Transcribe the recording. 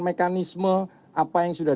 mekanisme apa yang sudah